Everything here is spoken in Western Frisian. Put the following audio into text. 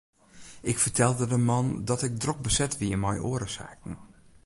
Ik fertelde de man dat ik drok beset wie mei oare saken.